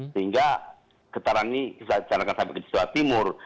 sehingga getaran ini bisa dicarakan sampai ke jawa timur